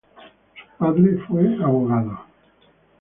Su padre fue abogado.